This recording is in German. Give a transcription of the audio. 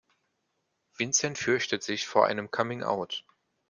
Vincent fürchtet sich vor einem Coming Out.